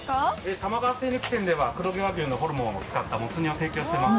玉川精肉店では黒毛和牛のホルモンを使ったもつ煮を提供しています。